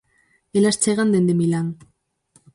Elas chegan dende Milán.